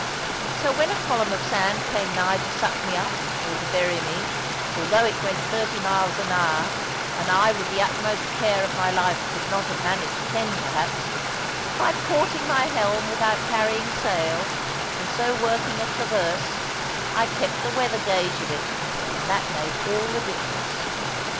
So when a column of sand came nigh to suck me up, or to bury me although it went thirty miles an hour, and I with the utmost care of my life could not have managed ten perhaps by porting my helm without carrying sail, and so working a traverse, I kept the weather gage of it and that made all the difference.